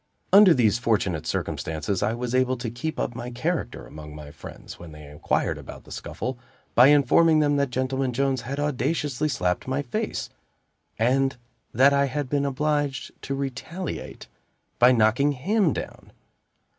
Under these fortunate circumstances, I was able to keep up my character among my friends, when they inquired about the scuffle, by informing them that Gentleman Jones had audaciously slapped my face, and that I had been obliged to retaliate by knocking him down.